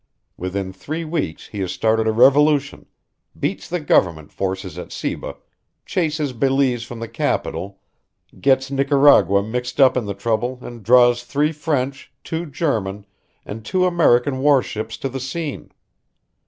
Within three weeks he has started a revolution, beats the government forces at Ceiba, chases Belize from the capital, gets Nicaragua mixed up in the trouble, and draws three French, two German, and two American war ships to the scene.